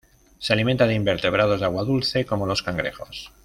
Se alimenta de invertebrados de agua dulce, como los cangrejo.